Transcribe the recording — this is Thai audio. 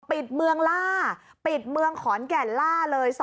ปิดเมืองล่าปิดเมืองขอนแก่นล่าเลย